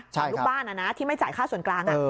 ใช่ครับลูกบ้านนะที่ไม่จ่ายค่าส่วนกลาง